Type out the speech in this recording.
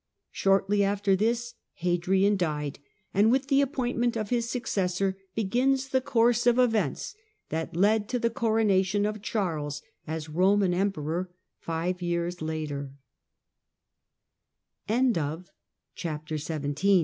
Shortly after this Hadrian died, and with the appointment of his successor begins the course of events that led to the coronation of Charles as Eoman Emperor five year